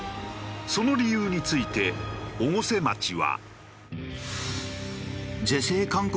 その理由について越生町は。